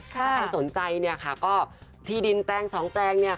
ถ้าใครสนใจก็ที่ดินแปลงสองแปลง